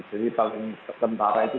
jadi paling tentara itu